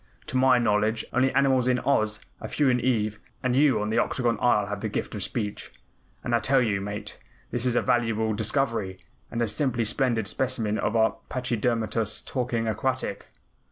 To my knowledge, only animals in Oz, a few in Ev and you on the Octagon Isle have the gift of speech. And I tell you, Mate, this is a valuable discovery, and a simply splendid specimen of a pachydermatous talking aquatic."